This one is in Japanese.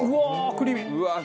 クリーミー！